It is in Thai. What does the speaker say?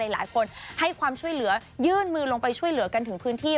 หลายคนให้ความช่วยเหลือยื่นมือลงไปช่วยเหลือกันถึงพื้นที่